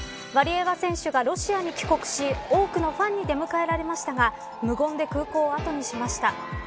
ワリエワ選手がロシアに帰国し多くのファンに出迎えられましたが無言で空港を後にしました。